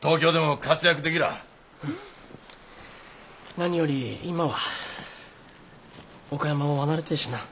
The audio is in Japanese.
何より今は岡山を離れてえしな。